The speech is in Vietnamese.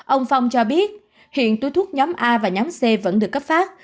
ông phong cho biết hiện túi thuốc nhóm a và nhóm c vẫn được cấp phát